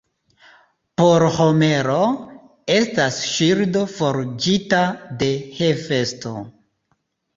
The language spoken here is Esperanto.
Por Homero, estas ŝildo forĝita de Hefesto.